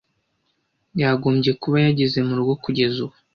Yagombye kuba yageze murugo kugeza ubu.